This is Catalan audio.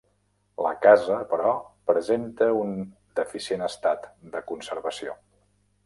La casa, però presenta un deficient estat de conservació.